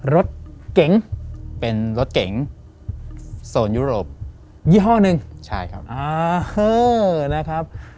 รถเก๋งเป็นรถเก๋งโซนยุโรปยี่ห้อหนึ่งใช่ครับอ่านะครับ